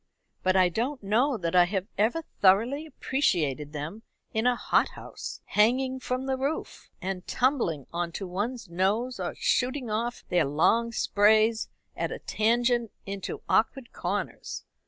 But I don't know that I have ever thoroughly appreciated them in a hothouse, hanging from the roof, and tumbling on to one's nose, or shooting off their long sprays at a tangent into awkward corners.